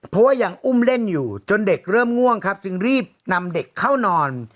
เพราะว่ายังอุ้มเล่นอยู่จนเด็กเริ่มง่วงครับจึงรีบนำเด็กเข้านอน